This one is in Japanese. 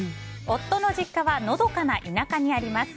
夫の実家はのどかな田舎にあります。